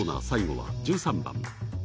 最後は１３番。